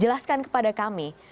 jelaskan kepada kami